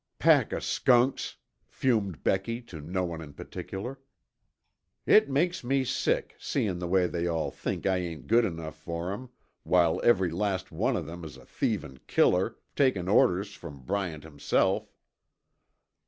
"Pack of skunks," fumed Becky to no one in particular. "It makes me sick, seein' the way they all think I ain't good enough fer 'em, while every last one o' them is a thievin' killer, takin' orders from Bryant himself!"